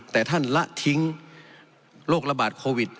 แต่ท่านละทิ้งโรคระบาดโควิด